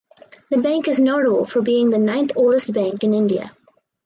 The bank is notable for being the ninth oldest bank in India.